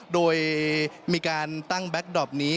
โดยมีการตั้งแก๊กดอปนี้